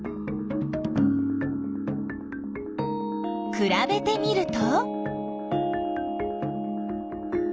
くらべてみると？